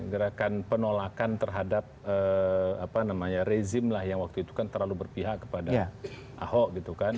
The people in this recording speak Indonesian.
gerakan penolakan terhadap apa namanya rezim lah yang waktu itu kan terlalu berpihak kepada ahok gitu kan